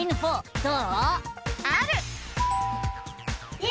どう？